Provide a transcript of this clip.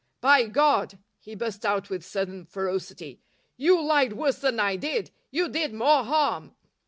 By God!" he burst out with sudden ferocity, "you lied worse than I did. You did more harm."